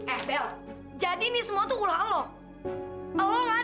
eh bel jadi nih semua tuh kulak lo lo ngadu sama ibu sari iya lo tuh bener bener keterlaluan ya